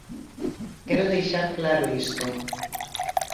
Quero deixar claro isto.